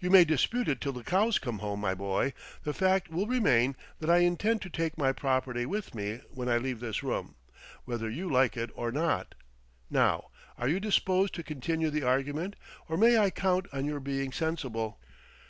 "You may dispute it till the cows come home, my boy: the fact will remain that I intend to take my property with me when I leave this room, whether you like it or not. Now are you disposed to continue the argument, or may I count on your being sensible?"